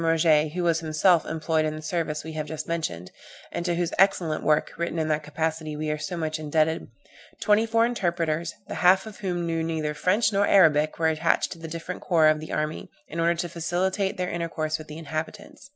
Roget, who was himself employed in the service we have just mentioned, and to whose excellent work, written in that capacity, we are so much indebted, "twenty four interpreters, the half of whom knew neither French nor Arabic, were attached to the different corps of the army, in order to facilitate their intercourse with the inhabitants."